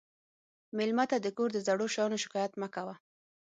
مېلمه ته د کور د زړو شیانو شکایت مه کوه.